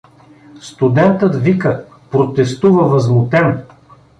Студентът вика, протестува възмутен.